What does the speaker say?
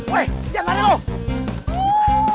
woi jangan lari lo